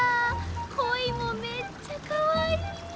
こいもめっちゃかわいい！